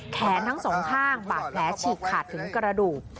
แขนทั้งสองข้างบาดแผลฉีกขาดถึงกระดูก